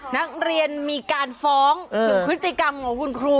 นักเรียนมีการฟ้องถึงพฤติกรรมของคุณครู